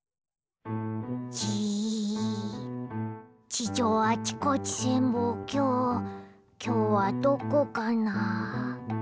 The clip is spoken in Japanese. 地上あちこち潜望鏡きょうはどこかな？